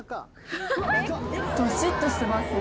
どしっとしてますね。